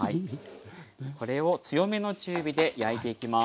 これを強めの中火で焼いていきます。